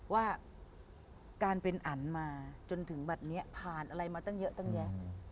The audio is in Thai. ว่าการเป็นอันมาจนถึงบัตรนี้ผ่านอะไรมาตั้งเยอะตั้งแยะ